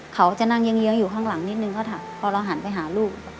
เขาจะนั่งเยื้องอยู่ข้างหลังนิดนึงพอเราหันไปหาลูก